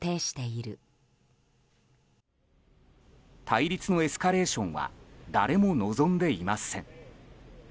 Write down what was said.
対立のエスカレーションは誰も望んでいません。